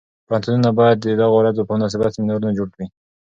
پوهنتونونه باید د دغو ورځو په مناسبت سیمینارونه جوړ کړي.